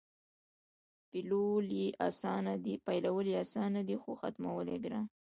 پیلول یې اسان دي خو ختمول یې ګران.